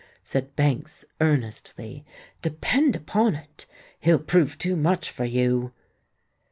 said Banks, earnestly. "Depend upon it, he'll prove too much for you."